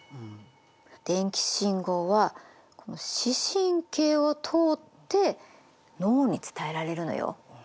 電気信号はこの視神経を通って脳に伝えられるのよ。